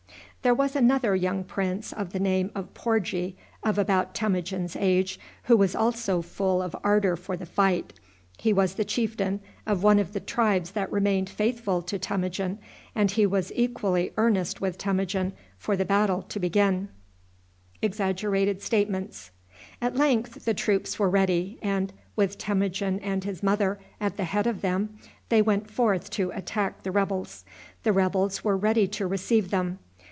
There was another young prince, of the name of Porgie, of about Temujin's age, who was also full of ardor for the fight. He was the chieftain of one of the tribes that remained faithful to Temujin, and he was equally earnest with Temujin for the battle to begin. At length the troops were ready, and, with Temujin and his mother at the head of them, they went forth to attack the rebels. The rebels were ready to receive them.